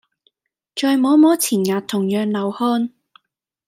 再摸摸前額同樣流汗